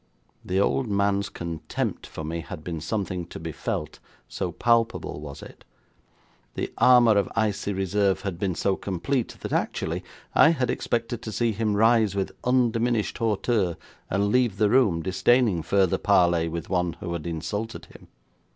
The old man's contempt for me had been something to be felt, so palpable was it. The armour of icy reserve had been so complete that actually I had expected to see him rise with undiminished hauteur, and leave the room, disdaining further parley with one who had insulted him.